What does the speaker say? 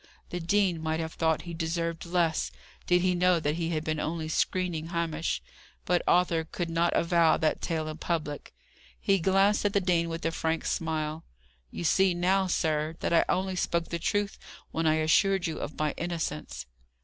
The dean might have thought he deserved less, did he know that he had been only screening Hamish; but Arthur could not avow that tale in public. He glanced at the dean with a frank smile. "You see now, sir, that I only spoke the truth when I assured you of my innocence."